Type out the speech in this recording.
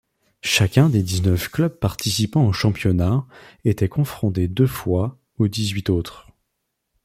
Chacun des dix-neuf clubs participant au championnat était confronté deux fois aux dix-huit autres.